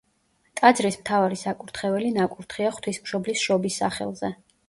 ტაძრის მთავარი საკურთხეველი ნაკურთხია ღვთისმშობლის შობის სახელზე.